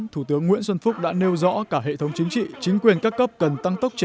thủ tướng nguyễn xuân phúc đã nêu rõ cả hệ thống chính trị chính quyền các cấp cần tăng tốc